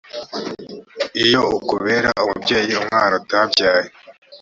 iyo ukubera umubyeyi umwana utabyaye